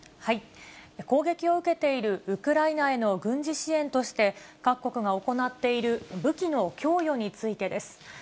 攻撃を受けているウクライナへの軍事支援として、各国が行っている武器の供与についてです。